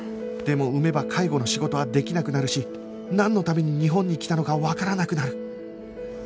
でも産めば介護の仕事はできなくなるしなんのために日本に来たのかわからなくなる